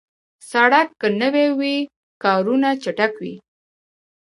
سړک که نوي وي، کارونه چټک وي.